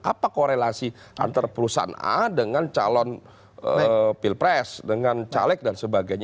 apa korelasi antar perusahaan a dengan calon pilpres dengan caleg dan sebagainya